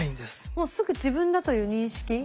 もうすぐ自分だという認識。